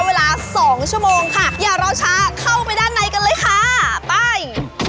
เวลาสองชั่วโมงค่ะอย่ารอช้าเข้าไปด้านในกันเลยค่ะไป